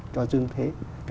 cho dương thế